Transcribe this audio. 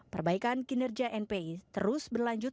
perbaikan kinerja npi terus berlanjut